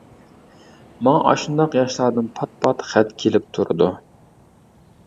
ماڭا ئاشۇنداق ياشلاردىن پات-پات خەت كېلىپ تۇرىدۇ.